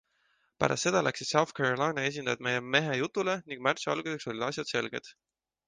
Pärast seda läksid South Carolina esindajad meie mehe jutule ning märtsi alguseks olid asjad selged.